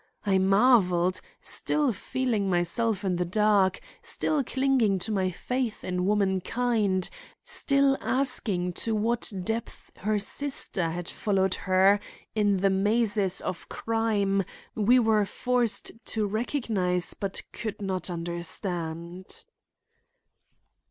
I marveled, still feeling myself in the dark, still clinging to my faith in womankind, still asking to what depths her sister had followed her in the mazes of crime we were forced to recognize but could not understand.